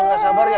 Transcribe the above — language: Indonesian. udah gak sabar ya